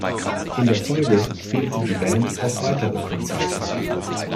In der Folge spielte die Band auch weitere Konzerte.